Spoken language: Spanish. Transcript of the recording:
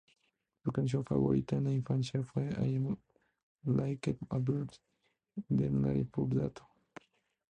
Su canción favorita en la infancia fue "I'm like a bird" de Nelly Furtado.